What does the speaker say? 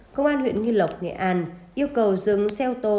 công an huyện nghi lộc nghệ an yêu cầu dừng xe ô tô